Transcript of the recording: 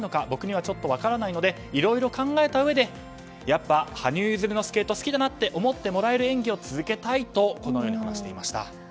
僕にはちょっと分からないのかいろいろ考えたうえでやっぱ、羽生結弦のスケート好きだなって思ってもらえる演技を続けたいとこのように話していました。